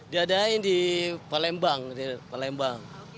diadain di palembang